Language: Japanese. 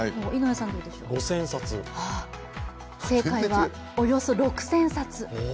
正解はおよそ６０００冊。